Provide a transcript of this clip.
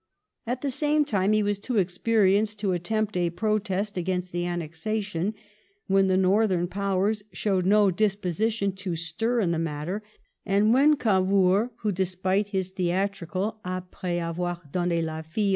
At the same time, he was too experienced to attempt a pro test against the annexation, when the Northern Powers showed no disposition to stir in the matter, and when Oavour, who, despite his theatrical Apre$ avoir donnS 198 LIFE or riscounr palmebston.